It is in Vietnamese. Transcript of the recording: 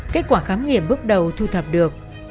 kết quả khám nghiệm bước đầu thu thập được